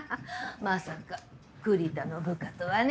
まさか栗田の部下とはね。